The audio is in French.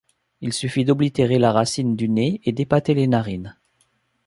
Il suffit d’oblitérer la racine du nez et d’épater les narines.